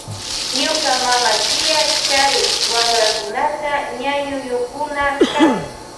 Ñuka mama tia charin wakrakunata ñañuyukuna kan.